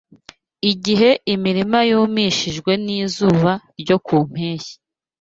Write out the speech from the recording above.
Igihe imirima yumishijwe n’izuba ryo ku mpeshyi